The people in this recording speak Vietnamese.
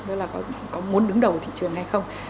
đó là có muốn đứng đầu thị trường hay không